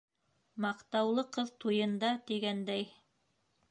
Маҡтаулы ҡыҙ - туйында, тигәндәй.